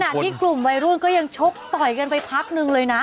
ที่กลุ่มวัยรุ่นก็ยังชกต่อยกันไปพักนึงเลยนะ